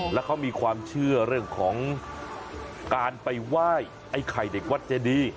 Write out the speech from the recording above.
แล้วเขามีความเชื่อเรื่องของการไปไหว้ไอ้ไข่เด็กวัดเจดี